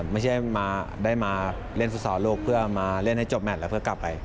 ไม่ใช่ได้มาเล่นฟุตซอลลูกเพื่อมาเล่นให้จบแมทแล้วเพื่อกลับไป